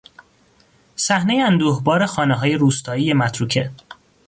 صحنهی اندوهبار خانههای روستایی متروکه